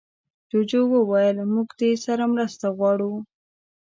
جوجو وویل موږ دې سره مرسته غواړو.